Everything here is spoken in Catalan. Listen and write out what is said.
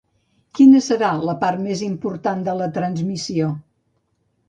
Quina serà la part més important de la transmissió?